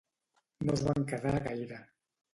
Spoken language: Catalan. No es va quedar gaire.